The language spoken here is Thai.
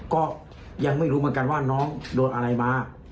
ก็ยังไม่รู้เหมือนกันว่าน้องโดนอะไรมา